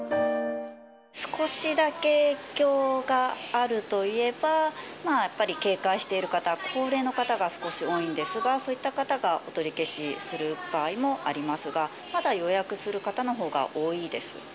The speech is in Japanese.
少しだけ影響があるといえば、やっぱり警戒している方、高齢の方が少し多いんですが、そういった方がお取り消しする場合もありますが、まだ予約する方のほうが多いです。